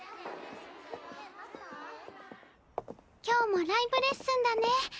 今日もライブレッスンだね。